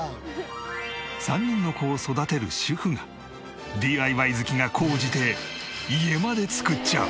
３人の子を育てる主婦がＤＩＹ好きが高じて家まで造っちゃう。